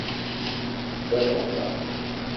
Ogbela bongo bang ?